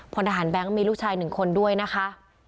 ผลฐานแบงก์มีลูกชาย๑คนด้วยนะคะ